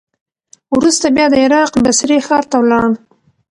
وروسته بیا د عراق بصرې ښار ته ولاړ.